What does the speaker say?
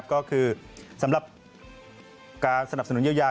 ก็คือสำหรับการสนับสนุนเยียวยา